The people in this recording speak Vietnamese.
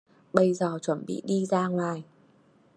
Bây giờ chuẩn bị đi ra ngoài